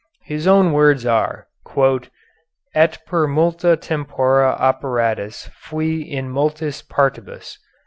His own words are, "Et per multa tempora operatus fui in multis partibus."